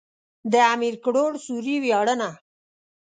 د امير کروړ سوري وياړنه.